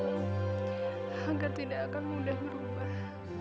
agar tidak akan mudah berubah